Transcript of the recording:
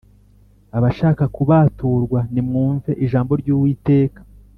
Abashaka kubaturwa nimwumve ijambo ry’ Uwiteka